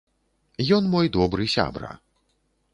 Ён мой добры сябра.